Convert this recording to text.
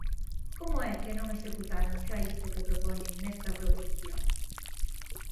¿Como é que non executaron xa isto que propoñen nesta proposición?